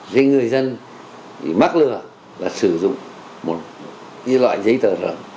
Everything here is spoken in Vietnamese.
cái người dân thì mắc lừa là sử dụng một loại giấy tờ rợm